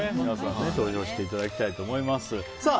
皆さんに投票していただきたいと思います。